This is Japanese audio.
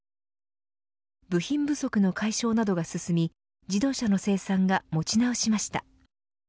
部品不足の解消などが進み自動車の生産がもち直しました。